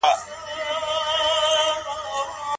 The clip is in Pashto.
زمانه د کرکټرونو په کړو وړو اغېز کوي.